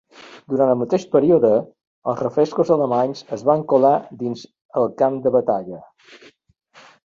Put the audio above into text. Durant el mateix període, els reforços alemanys es van colar dins el camp de batalla.